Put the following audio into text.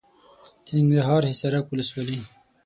د ننګرهار حصارک ولسوالي .